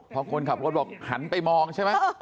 พอคนขับรถบอกหันไปมองใช่ไหม